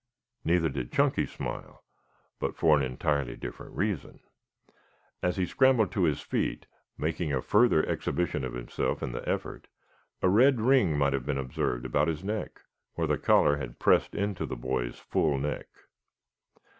Neither did Chunky smile, but for an entirely different reason. As he scrambled to his feet, making a further exhibition of himself in the effort, a red ring might have been observed about his neck where the collar had pressed into the boy's full neck.